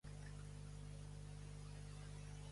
Carrie Ann".